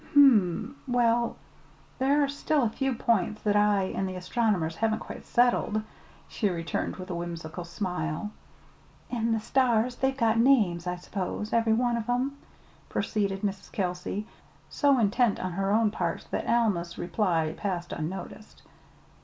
"Hm m; well, there are still a few points that I and the astronomers haven't quite settled," she returned, with a whimsical smile. "An' the stars, they've got names, I s'pose every one of 'em," proceeded Mrs. Kelsey, so intent on her own part that Alma's reply passed unnoticed.